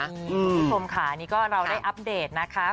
คุณผู้ชมค่ะนี่ก็เราได้อัปเดตนะคะ